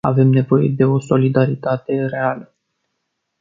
Avem nevoie de o solidaritate reală...